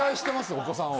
お子さんを。